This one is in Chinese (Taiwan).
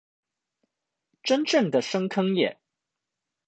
真正的深坑耶